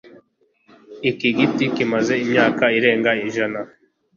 Iki giti kimaze imyaka irenga ijana.